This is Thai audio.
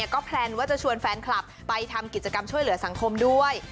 ก็แพลนว่าจะชวนแฟนคลับไปทำกิจกรรมช่วยเหลือสังคมด้วย